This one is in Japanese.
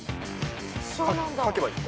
書けばいい？